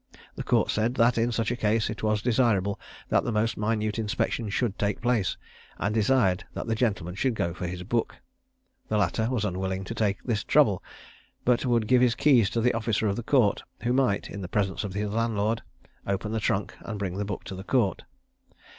The court said that in such a case it was desirable that the most minute inspection should take place, and desired that the gentleman should go for his book. The latter was unwilling to take this trouble, but would give his keys to the officer of the court, who might, in the presence of his landlord, open his trunk and bring the book to the court.